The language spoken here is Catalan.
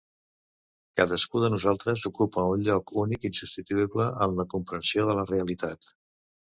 Cadascú de nosaltres ocupa un lloc únic, insubstituïble, en la comprensió de la realitat.